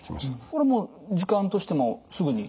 これはもう時間としてもすぐに？